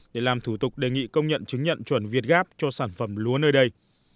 để làm thủ tục đề nghị công nhận chứng nhận chuẩn việt gáp cho sản phẩm lúa nơi đây